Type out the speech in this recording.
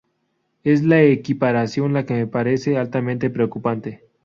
Es la equiparación la que me parece altamente preocupante.